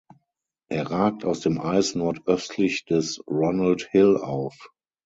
Er ragt aus dem Eis nordöstlich des Ronald Hill auf.